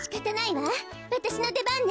わたしのでばんね。